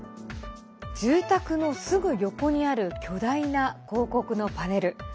住宅のすぐ横にある巨大な広告のパネル。